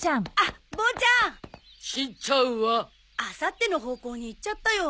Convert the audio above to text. あさっての方向に行っちゃったよ